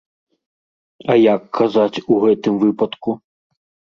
А як казаць у гэтым выпадку?